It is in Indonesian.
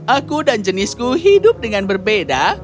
aku dan jenisku hidup dengan berbeda